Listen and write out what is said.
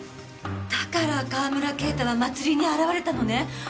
だから川村啓太は祭りに現れたのね。